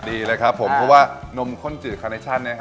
ดีเลยครับผมเพราะว่านมข้นจืดคาเนชั่น